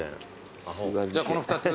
じゃあこの２つ。